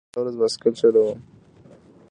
هو، زه هره ورځ بایسکل چلوم